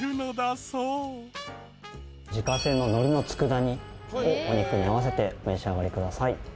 自家製の海苔の佃煮をお肉に合わせてお召し上がりください。